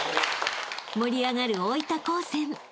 ［盛り上がる大分高専］